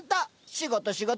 仕事仕事。